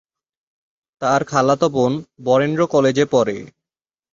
তার খালাতো বোন বরেন্দ্র কলেজে পড়ে।